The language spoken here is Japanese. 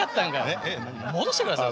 もう戻してください。